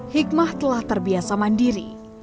hikmah telah terbiasa mandiri